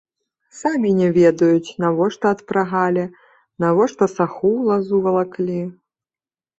Самі не ведаюць, навошта адпрагалі, навошта саху ў лазу валаклі.